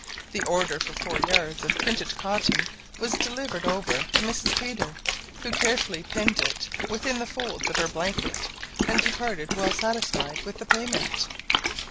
The order for four yards of printed cotton was delivered over to Mrs. Peter, who carefully pinned it within the folds of her blanket, and departed well satisfied with the payment.